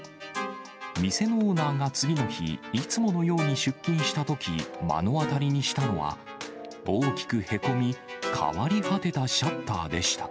店のオーナーが次の日、いつものように出勤したとき、目の当たりにしたのは、大きくへこみ、変わり果てたシャッターでした。